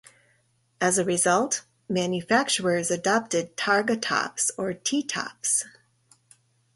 As a result, manufacturers adopted Targa tops or T-tops.